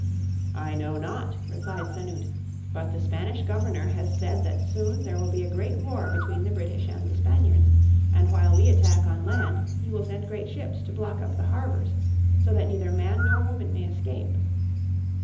"I know not," replied Sanute." But the Spanish Governor has said that soon there will be a great war between the British and the Spaniards, and while we attack on land he will send great ships to block up the harbours, so that neither man nor woman may escape."